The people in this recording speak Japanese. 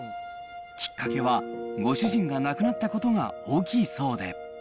きっかけは、ご主人が亡くなったことが大きいそうで。